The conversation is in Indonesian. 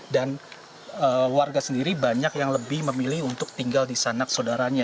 dan warga sendiri banyak yang lebih memilih untuk tinggal di sanak saudaranya